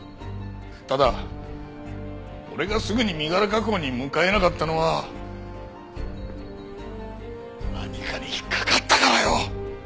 ただ俺がすぐに身柄確保に向かえなかったのは何かに引っかかったからよ。